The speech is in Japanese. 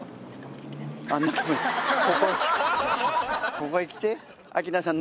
ここへきて？